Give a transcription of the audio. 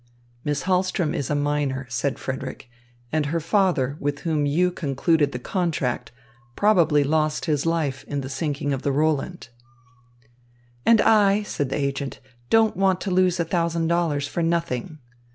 "Miss Hahlström is a minor," said Frederick, "and her father, with whom you concluded the contract, probably lost his life in the sinking of the Roland." "And I," said the agent, "don't want to lose a thousand dollars for nothing."